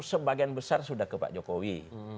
sebagian besar sudah ke pak jokowi